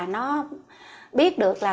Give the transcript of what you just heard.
nó biết được là